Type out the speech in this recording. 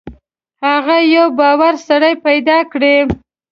هغه یو باوري سړی پیدا کړي.